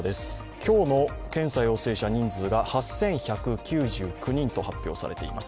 今日の検査陽性者人数が８１９９人と発表されています。